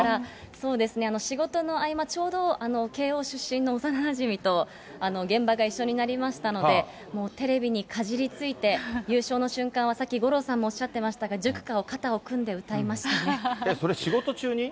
そうですね、仕事の合間、ちょうど慶応出身の幼なじみと、現場が一緒になりましたので、もうテレビにかじりついて、優勝の瞬間を、さっき五郎さんもおっしゃっていましたが、それ、仕事中に？